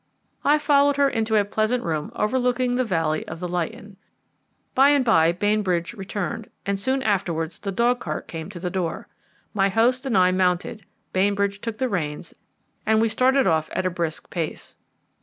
I followed her into a pleasant room overlooking the valley of the Lytton. By and by Bainbridge returned, and soon afterwards the dog cart came to the door. My host and I mounted, Bainbridge took the reins, and we started off at a brisk pace.